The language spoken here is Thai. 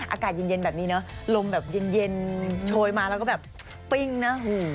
อากาศเย็นแบบนี้เนอะลมแบบเย็นโชยมาแล้วก็แบบปิ้งนะ